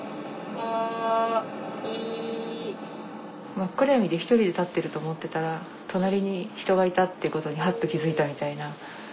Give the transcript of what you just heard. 真っ暗闇で１人で立ってると思ってたら隣に人がいたっていうことにハッと気付いたみたいな。